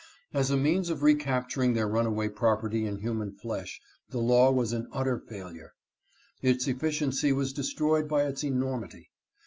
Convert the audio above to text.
As a means of recapturing their runaway property in human flesh the law was an utter failure. Its efficiency was destroyed by its enor mity.